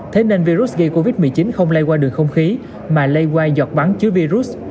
thế nên virus gây covid một mươi chín không lây qua đường không khí mà lây qua giọt bắn chứa virus